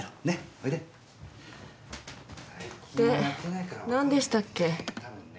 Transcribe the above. で何でしたっけ？